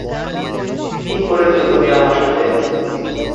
কী করেছ তুমি আমার সাথে?